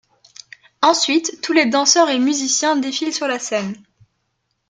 Ensuite, tous les danseurs et musiciens défilent sur la scène.